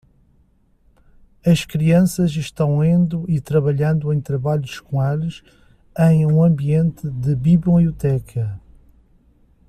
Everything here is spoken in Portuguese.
As crianças estão lendo e trabalhando em trabalhos escolares em um ambiente de biblioteca.